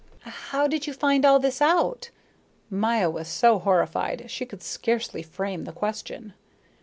"How did you find all this out?" Maya was so horrified she could scarcely frame the question.